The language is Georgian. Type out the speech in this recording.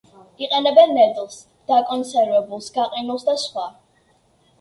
იყენებენ ნედლს, დაკონსერვებულს, გაყინულს და სხვა.